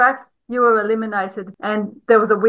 atau satu sisi telur yang terkacau